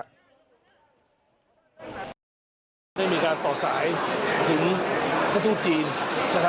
ได้มีการต่อสายถึงชานุจีน